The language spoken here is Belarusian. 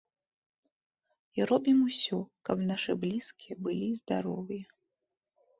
І робім усё, каб нашы блізкія былі здаровыя.